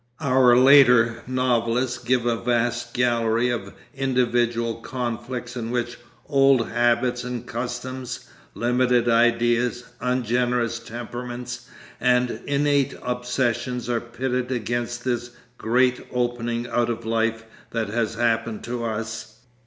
Our later novelists give a vast gallery of individual conflicts in which old habits and customs, limited ideas, ungenerous temperaments, and innate obsessions are pitted against this great opening out of life that has happened to us.